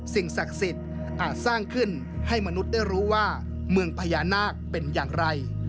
สิ่งศักดิ์สิทธิ์อาจสร้างขึ้นให้มนุษย์ได้รู้ว่าเมืองพญานาคเป็นอย่างไร